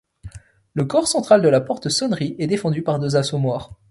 Le corps central de la Porte Saunerie est défendu par deux assommoirs.